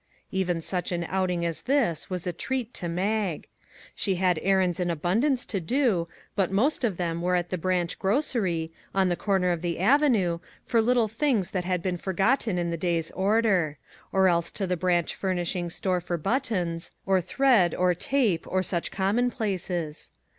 Even such an outing as this was a treat to Mag. She had errands in abundance to do, but most of them were at the branch grocery, on the corner of the avenue, for little things that had been forgotten in the day's order. Or else 149 MAG AND MARGARET to the branch furnishing store for buttons, or thread, or tape, or such commonplaces.